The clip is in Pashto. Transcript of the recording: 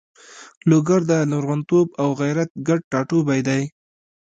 لوګر د لرغونتوب او غیرت ګډ ټاټوبی ده.